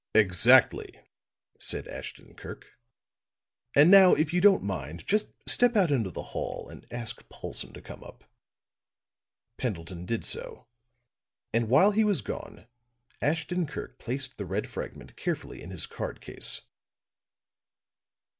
"Exactly," said Ashton Kirk. "And now, if you don't mind, just step out into the hall and ask Paulson to come up." Pendleton did so; and while he was gone, Ashton Kirk placed the red fragment carefully in his card case.